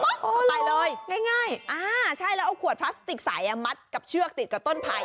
ใส่เลยง่ายอ่าใช่แล้วเอาขวดพลาสติกสายมัดกับเชือกติดกับต้นไผ่